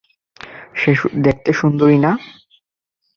সে দেখতে সুন্দরি না?